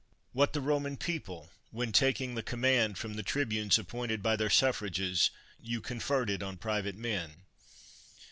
What the Boman people, when, taking the command from the tribunes appointed by their suffrages, you conferred it on private men?